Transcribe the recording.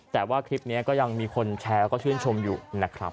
แต่ว่าคลิปนี้ก็ยังมีคนแชร์แล้วก็ชื่นชมอยู่นะครับ